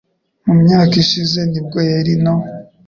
mu myaka ishize nibwo yari no